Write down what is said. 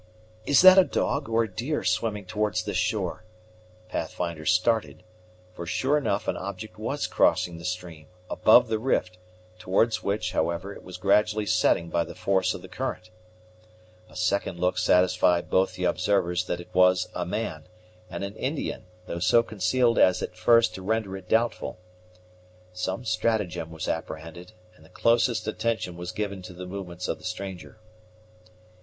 "Is that a dog, or a deer, swimming towards this shore?" Pathfinder started, for sure enough an object was crossing the stream, above the rift, towards which, however, it was gradually setting by the force of the current. A second look satisfied both the observers that it was a man, and an Indian, though so concealed as at first to render it doubtful. Some stratagem was apprehended, and the closest attention was given to the movements of the stranger.